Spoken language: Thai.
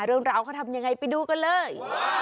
เรื่องราวเขาทำยังไงไปดูกันเลย